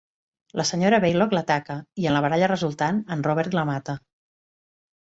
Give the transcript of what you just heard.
La senyora Baylock l'ataca i, en la baralla resultant, en Robert la mata.